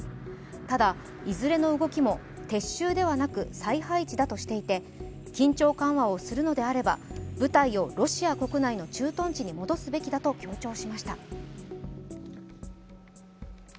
ただ、いずれの動きも撤収ではなく再配置だとしていて緊張緩和をするのであれば、部隊をロシア国内の駐屯地に戻すべきだと強調しました。